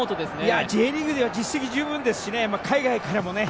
いやあＪリーグでは実績十分ですしね海外からもね